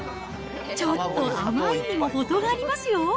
ちょっと甘いにもほどがあります